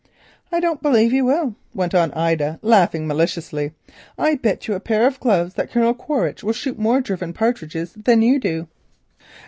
"I don't believe you will," went on Ida, laughing maliciously. "I bet you a pair of gloves that Colonel Quaritch will shoot more driven partridges than you do."